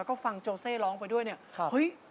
ก็ฟังโจเซ่ร้องไปด้วยเนี่ยเฮ้ย